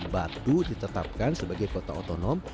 batu ditetapkan sebagai kota otonom